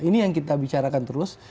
ini yang kita bicarakan terus